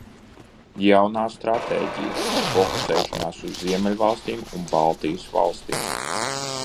Jaunā stratēģija: fokusēšanās uz Ziemeļvalstīm un Baltijas valstīm.